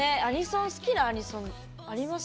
好きなアニソンあります？